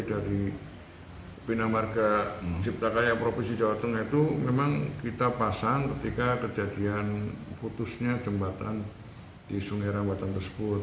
dari bina marga ciptakaya provinsi jawa tengah itu memang kita pasang ketika kejadian putusnya jembatan di sungai rambatan tersebut